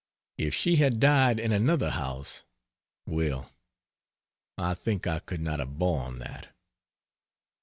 If she had died in another house well, I think I could not have borne that.